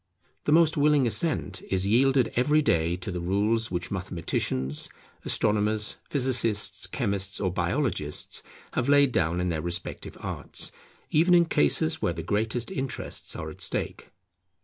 The most willing assent is yielded every day to the rules which mathematicians, astronomers, physicists, chemists, or biologists, have laid down in their respective arts, even in cases where the greatest interests are at stake.